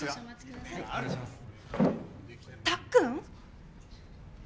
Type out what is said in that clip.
たっくん？